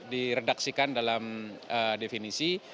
diredaksikan dalam definisi